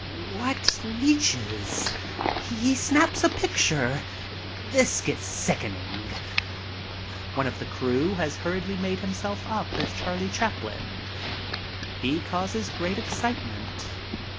What leeches! He snaps a picture. This gets sickening. One of the crew has hurriedly made himself up as " Charley Chaplin." He causes great excitement.